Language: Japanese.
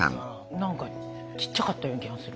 何かちっちゃかったような気がする。